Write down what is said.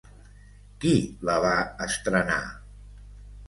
Qui la va estrenar?